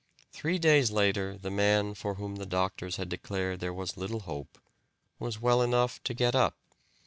Three days later the man for whom the doctors had declared there was little hope was well enough to get up.